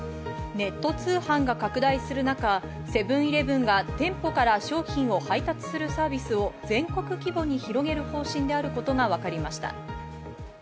ネット通販が拡大する中、セブンイレブンが店舗から商品を配達するサービスを全国規模に広げる方針であることが分かりました。